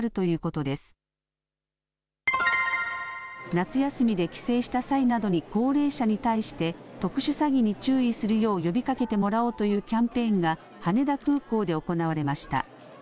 夏休みで帰省した際などに高齢者に対して特殊詐欺に注意するよう呼びかけてもらおうというキャンペーンが羽田空港で行われました。